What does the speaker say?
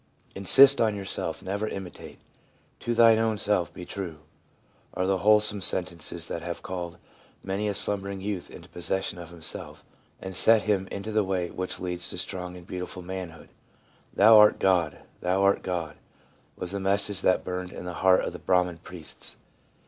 l Insist on yourself; never imitate/ 1 To thine own self be true/ are the wholesome sentences that have called many a slumbering youth into posses sion of himself, and set him into the way which leads to strong and beautiful manhood. i Thou art God, thou art God/ was the message that burned in the heart of the Brahman priests.